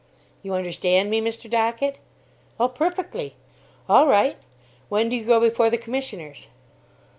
"You understand me, Mr. Dockett?" "Oh, perfectly! all right; when do you go before the commissioners?"